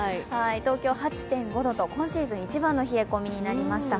東京、８．５度と今シーズン一番の冷え込みになりました。